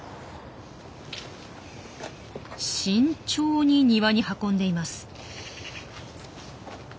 慎重に庭に運んでいます。